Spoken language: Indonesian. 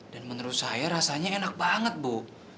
dan menurut saya rasanya enak banget bu